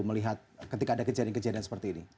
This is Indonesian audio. melihat ketika ada kejadian kejadian seperti ini